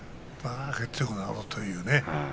強くなろうというね。